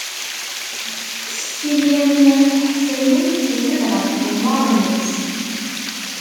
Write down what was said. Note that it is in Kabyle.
Setti Lyamina n At Ḥsayen tsenned ɣef tɣemmar-nnes.